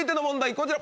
こちら。